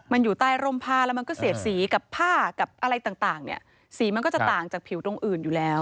มันอยู่ใต้ร่มผ้าแล้วมันก็เสียดสีกับผ้ากับอะไรต่างเนี่ยสีมันก็จะต่างจากผิวตรงอื่นอยู่แล้ว